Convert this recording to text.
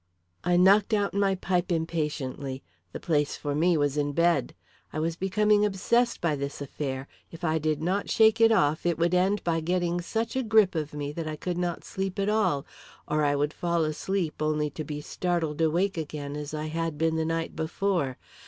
I knocked out my pipe impatiently. The place for me was in bed. I was becoming obsessed by this affair. If I did not shake it off, it would end by getting such a grip of me that I could not sleep at all, or I would fall asleep only to be startled awake again as I had been the night before.